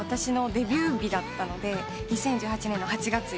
２０１８年の８月８日で。